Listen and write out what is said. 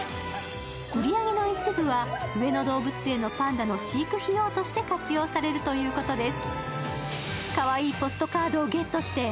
売り上げの一部は上野動物園のパンダの飼育費用として活用されるということです。